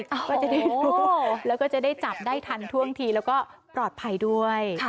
ก็จะได้รู้แล้วก็จะได้จับได้ทันท่วงทีแล้วก็ปลอดภัยด้วย